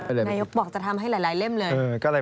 นายกบอกจะทำให้หลายเล่มเลย